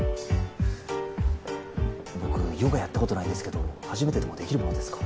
僕ヨガやったことないんですけど初めてでもできるものですか？